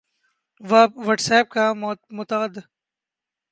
what's app کا متعد